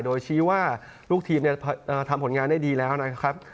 โดยชี้ว่าลูกทีมทำผลงานได้ดีแล้วนะครับ